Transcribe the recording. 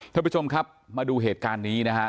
ท่านผู้ชมครับมาดูเหตุการณ์นี้นะฮะ